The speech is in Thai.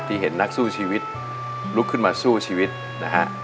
เห็นนักสู้ชีวิตลุกขึ้นมาสู้ชีวิตนะฮะ